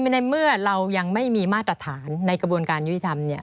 ในเมื่อเรายังไม่มีมาตรฐานในกระบวนการยุติธรรมเนี่ย